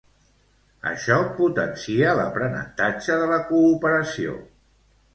Això potencia l'aprenentatge de la cooperació